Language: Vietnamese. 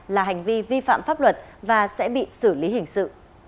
là hành vi vi phạm pháp luật và sẽ bị xử lý hình sự